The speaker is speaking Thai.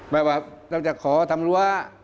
แปลว่าเราจะขอทำรัว